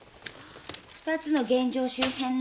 ２つの現場周辺の。